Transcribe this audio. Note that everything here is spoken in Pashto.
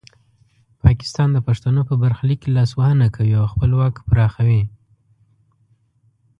پاکستان د پښتنو په برخلیک کې لاسوهنه کوي او خپل واک پراخوي.